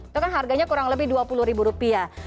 itu kan harganya kurang lebih dua puluh ribu rupiah